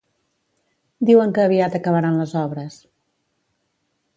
Diuen que aviat acabaran les obres